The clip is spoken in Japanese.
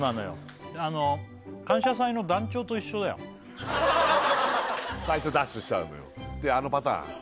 感謝祭の団長と一緒だよ最初ダッシュしちゃうのよてあのパターン？